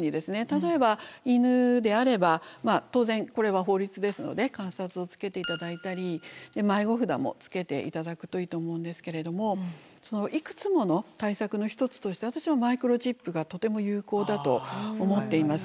例えば犬であれば当然これは法律ですので鑑札をつけて頂いたり迷子札もつけて頂くといいと思うんですけれどもいくつもの対策の一つとして私はマイクロチップがとても有効だと思っています。